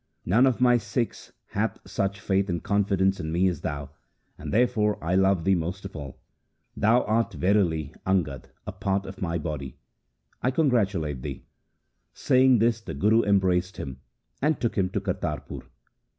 None of my Sikhs hath such faith and confidence in me as thou, and therefore I love thee most of all. Thou art verily Angad a part of my body. I congratulate thee.' Say ing this the Guru embraced him, and took him to Kartarpur.